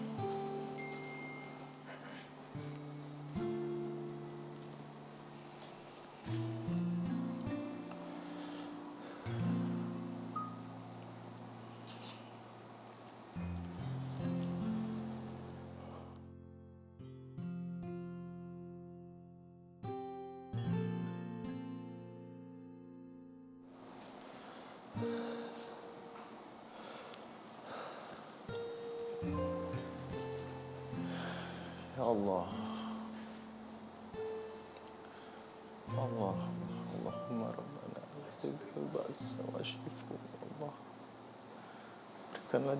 masih ada luka yang serius kan